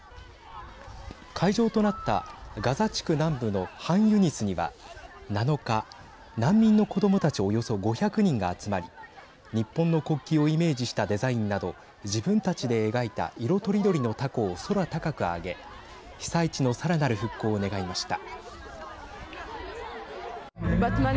会場となったガザ地区南部のハンユニスには７日難民の子どもたちおよそ５００人が集まり日本の国旗をイメージしたデザインなど自分たちで描いた色とりどりのたこを空高く揚げ被災地のさらなる復興を願いました。